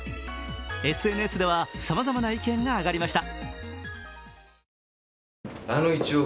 ＳＮＳではさまざまな意見が上がりました。